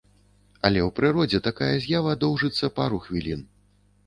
Але ў прыродзе такая з'ява доўжыцца пару хвілін.